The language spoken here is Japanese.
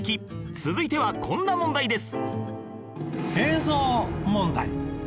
続いてはこんな問題です